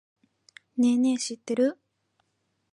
ねぇねぇ、知ってる？